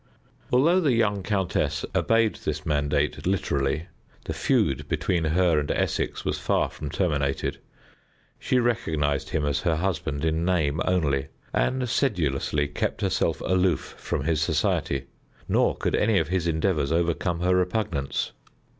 Although the young countess obeyed this mandate literally, the feud between her and Essex was far from terminated: she recognized him as her husband in name only, and sedulously kept herself aloof from his society, nor could any of his endeavors overcome her repugnance.